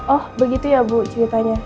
oh begitu ya bu ceritanya